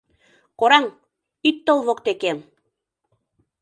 Кораҥ, ит тол воктекем!